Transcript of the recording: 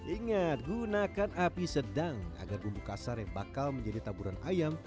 ingat gunakan api sedang agar bumbu kasar yang bakal menjadi taburan ayam